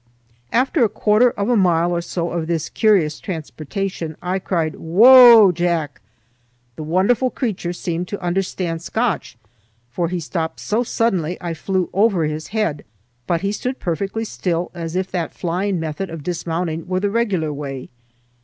After a quarter of a mile or so of this curious transportation, I cried, "Whoa, Jack!" The wonderful creature seemed to understand Scotch, for he stopped so suddenly I flew over his head, but he stood perfectly still as if that flying method of dismounting were the regular way.